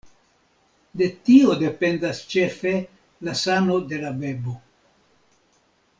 De tio dependas ĉefe la sano de la bebo.